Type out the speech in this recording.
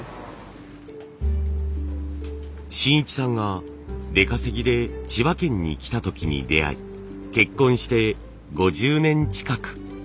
信一さんが出稼ぎで千葉県に来た時に出会い結婚して５０年近く。